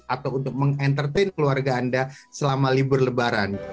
atau untuk mengembangkan keluarga anda selama libur lebaran